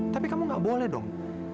tapi kamu gak boleh dong